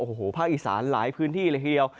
โอ้โหภาคอีสานหลายพื้นที่เลยทีเดียว